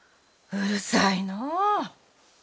うるさいのう。